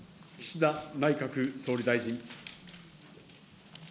岸田内閣総理大臣。